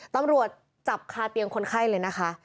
ตำรวจจับคาเตียงคนไข้เลยนะคะ